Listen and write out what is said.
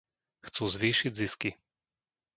Chcú zvýšiť zisky.